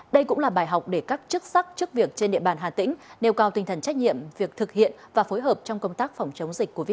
đây cũng là bài học để các chức sắc chức việc trên địa bàn hà tĩnh nêu cao tinh thần trách nhiệm việc thực hiện và phối hợp trong công tác phòng chống dịch covid một mươi chín